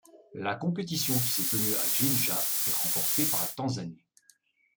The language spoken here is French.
La compétition qui s'est tenue à Jinja est remportée par la Tanzanie.